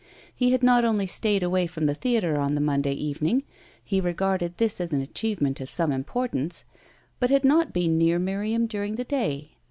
He had not only stayed away from the theatre on the Monday evening he regarded this as an achievement of some importance but had not been near Miriam during the day.